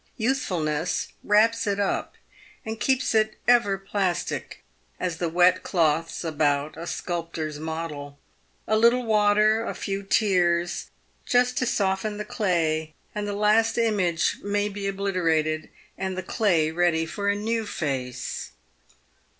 Youthfulness wraps it up, and keeps it ever plastic, as the wet cloths about a sculptor's model. A little water — a few tears — just to soften the clay, and the last image may be oblite rated, and the clay ready for a new face.